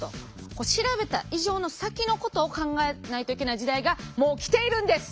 調べた以上の先のことを考えないといけない時代がもう来ているんです。